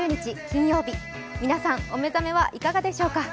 金曜日、皆さん、お目覚めはいかがでしょうか。